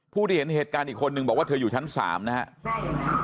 ผู้ที่เห็นเหตุการณ์อีกคนนึงบอกว่าเธออยู่ชั้น๓นะครับ